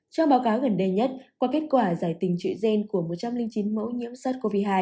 trong báo cáo gần đây nhất qua kết quả giải tình trụ gen của một trăm linh chín mẫu nhiễm sars cov hai